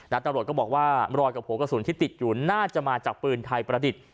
ตำรวจก็บอกว่ารอยกับหัวกระสุนที่ติดอยู่น่าจะมาจากปืนไทยประดิษฐ์